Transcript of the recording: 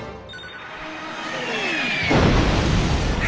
あ！